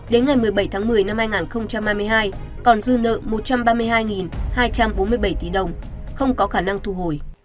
đến ngày một mươi bảy tháng một mươi năm hai nghìn hai mươi hai còn dư nợ một trăm ba mươi hai hai trăm bốn mươi bảy tỷ đồng không có khả năng thu hồi